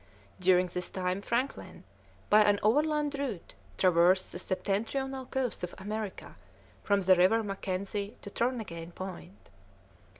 During this time Franklin, by an overland route, traversed the septentrional coasts of America from the River Mackenzie to Turnagain Point.